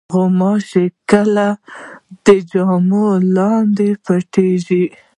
غوماشې کله د جامو لاندې پټېږي.